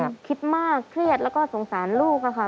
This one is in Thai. คิดมากเครียดแล้วก็สงสารลูกค่ะ